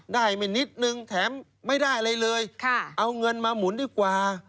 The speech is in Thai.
ไม่นิดนึงแถมไม่ได้อะไรเลยเอาเงินมาหมุนดีกว่า